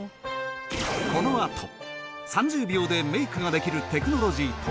このあと３０秒でメイクができるテクノロジーと